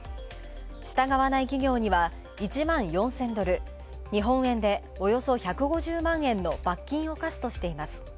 従わない企業には１万４０００ドル日本円でおよそ１５０万円の罰金を科すとしています。